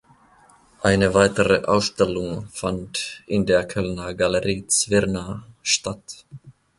Eine weitere Ausstellung fand in der Kölner Galerie Zwirner statt.